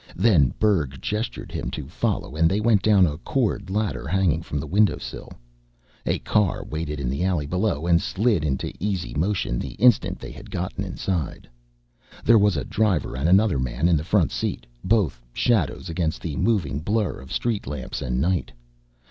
Then Berg gestured him to follow and they went down a cord ladder hanging from the window sill. A car waited in the alley below and slid into easy motion the instant they had gotten inside. There was a driver and another man in the front seat, both shadows against the moving blur of street lamps and night.